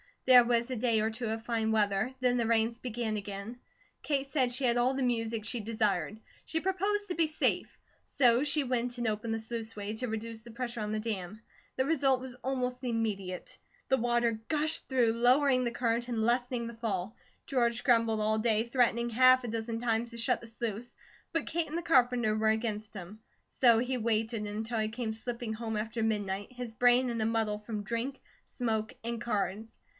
There was a day or two of fine weather; then the rains began again. Kate said she had all the music she desired; she proposed to be safe; so she went and opened the sluiceway to reduce the pressure on the dam. The result was almost immediate. The water gushed through, lowering the current and lessening the fall. George grumbled all day, threatening half a dozen times to shut the sluice; but Kate and the carpenter were against him, so he waited until he came slipping home after midnight, his brain in a muddle from drink, smoke, and cards.